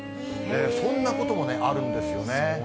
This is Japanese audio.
そんなこともあるんですよね。